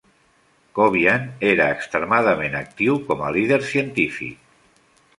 Covian era extremadament actiu com a líder científic.